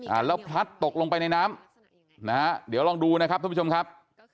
อ่าแล้วพลัดตกลงไปในน้ำนะฮะเดี๋ยวลองดูนะครับท่านผู้ชมครับ